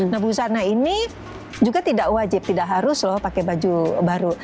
nah busana ini juga tidak wajib tidak harus loh pakai baju baru